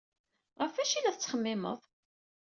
Ɣef wacu ay la tettxemmimeḍ?